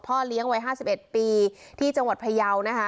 พ่อเลี้ยงวัยห้าสิบเอ็ดปีที่จังหวัดพะยาวนะคะ